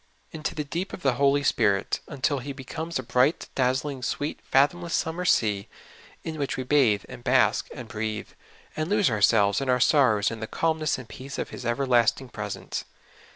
Into the deep of the Holy Spirit, un til He becomes a bright, dazzling, sweet, fathomless summer sea, in which we bathe and bask and breathe, and lose ourselves and our sorrows in the calmness and peace of His everlasting presence.